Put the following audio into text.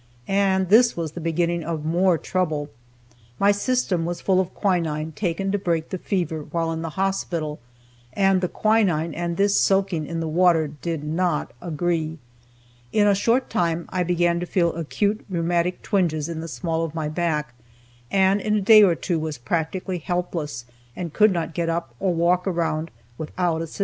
And this was the beginning of more trouble. My system was full of quinine taken to break the fever while in the hospital, and the quinine and this soaking in the water did not agree. In a short time I began to feel acute rheumatic twinges in the small of my back, and in a day or two was practically helpless, and could not get up, or walk around, without assistance.